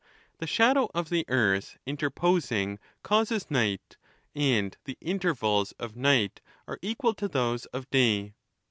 The shadow of the earth interposing causes night; and the intervals of night are equal to those of day.